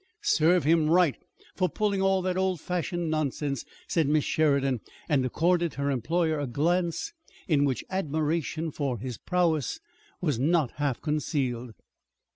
"Serve him right for pulling all that old fashioned nonsense," said Miss Sheridan, and accorded her employer a glance in which admiration for his prowess was not half concealed.